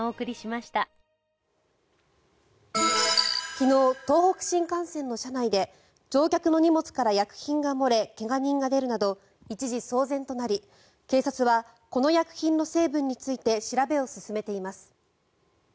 昨日、東北新幹線の車内で乗客の荷物から薬品が漏れ怪我人が出るなど一時、騒然となり警察は、この薬品の成分について調べを進めています。